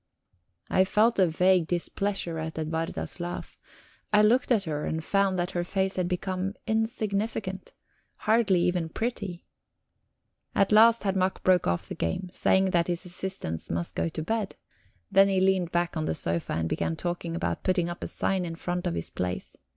I felt a vague displeasure at Edwarda's laugh. I looked at her, and found that her face had become insignificant, hardly even pretty. At last Herr Mack broke off the game, saying that his assistants must go to bed; then he leaned back on the sofa and began talking about putting up a sign in front of his place.